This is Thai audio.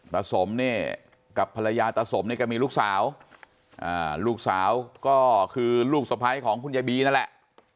ตะสมกับภรรยาตะสมก็มีลูกสาวลูกสาวก็คือลูกสมัยของคุณยายบีนั่นแหละ